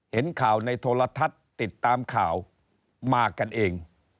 เห็นข่าวในโทรทัศน์ติดตามข่าวมากันเอง